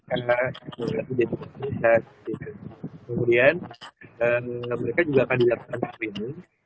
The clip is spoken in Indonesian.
akan mendapatkan ujian atau status mereka kemudian mereka juga akan didapatkan training